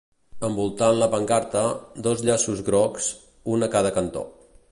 Envoltant la pancarta, dos llaços grocs, un a cada cantó.